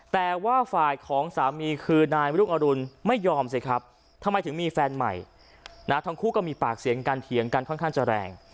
แต่ว่าฝ่ายของสามีคือนายรุ่งอรุณไม่ยอมสิครับทำไมถึงมีแฟนใหม่นะทั้งคู่ก็มีปากเสียงกันเถียงกันค่อนข้างจะแรง